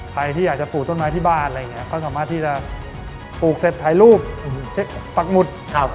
ใครที่อยากจะปลูกต้นไม้ที่บ้านอะไรอย่างนี้ก็สามารถที่จะปลูกเสร็จถ่ายรูปเช็คปักหมุด